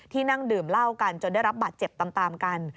นั่งดื่มเหล้ากันจนได้รับบาดเจ็บตามกัน